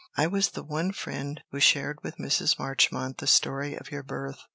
I was the one friend who shared with Mrs. Marchmont the story of your birth.